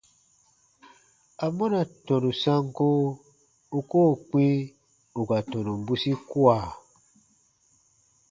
Amɔna tɔnu sanko u koo kpĩ ù ka tɔnu bwisi kua?